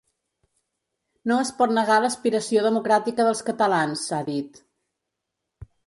No es pot negar l’aspiració democràtica dels catalans, ha dit.